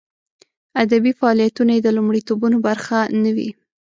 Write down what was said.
ادبي فعالیتونه یې د لومړیتوبونو برخه نه وي.